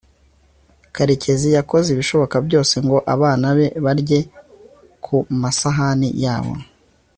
karekezi yakoze ibishoboka byose ngo abana be barye ku masahani yabo